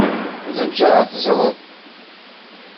Ulamek ara teẓreḍ.